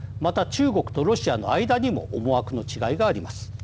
中国とロシアの間にも思惑の違いがあります。